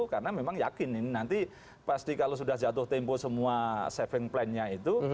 karena memang yakin ini nanti pasti kalau sudah jatuh tempo semua saving plan nya itu